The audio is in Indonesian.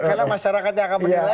karena masyarakatnya akan menilai